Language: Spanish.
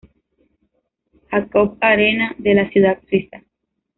Jakob-Arena de la ciudad suiza.